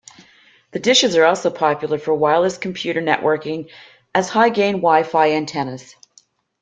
The dishes are also popular for wireless computer networking as high-gain Wi-Fi antennas.